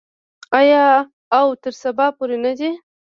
آیا او تر سبا پورې نه دی؟